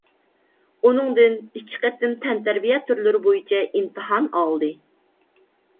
ئۇنىڭدىن ئىككى قېتىم تەنتەربىيە تۈرلىرى بويىچە ئىمتىھان ئالدى.